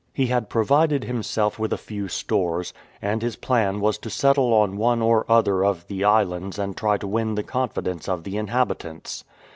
He had provided himself with a few stores, and his plan was to settle on one or other of the islands and try to win the confidence of the inhabitants.